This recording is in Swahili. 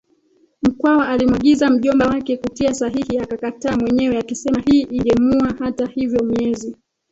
Mkwawa alimwagiza mjomba wake kutia sahihi akakataa mwenyewe akisema hii ingemwuaHata hivyo miezi